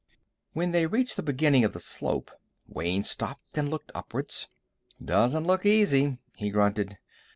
When they reached the beginning of the slope, Wayne stopped and looked upwards. "Doesn't look easy," he grunted.